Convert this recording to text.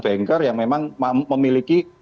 banker yang memang memiliki